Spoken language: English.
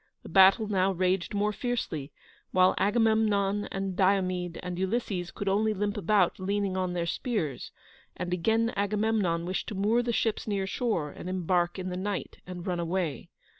The battle now raged more fiercely, while Agamemnon and Diomede and Ulysses could only limp about leaning on their spears; and again Agamemnon wished to moor the ships near shore, and embark in the night and run away.